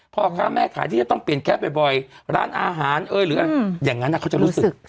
พ่อค้าแม่ขายที่จะต้องเปลี่ยนแคสบ่อยร้านอาหารหรืออะไรอย่างนั้นเขาจะรู้สึก